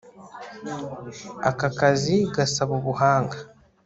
Aka kazi gasaba ubuhanga